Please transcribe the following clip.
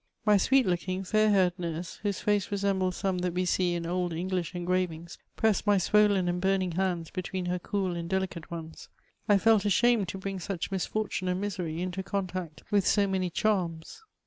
My sweet looking, &ir haired nurse, whose face resembled some that we see in old English engravings, Sressed my swollen and burning handfi between her cool and elicate ones ; I felt ashamed to bring such nusfortune and misery into contact with so many charms.